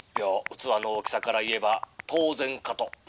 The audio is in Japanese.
器の大きさから言えば当然かと。